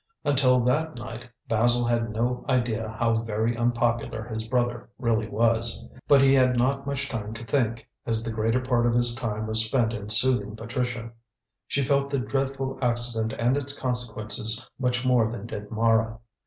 Until that night Basil had no idea how very unpopular his brother really was. But he had not much time to think, as the greater part of his time was spent in soothing Patricia. She felt the dreadful accident and its consequences much more than did Mara.